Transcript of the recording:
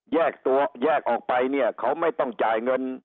แยกตัวแยกออกไปเนี่ยเขาไม่ต้องจ่ายเงิน